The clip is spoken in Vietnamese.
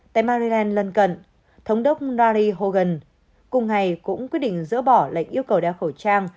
tại maryland lân cận thống đốc larry hogan cùng ngày cũng quyết định dỡ bỏ lệnh yêu cầu đeo khẩu trang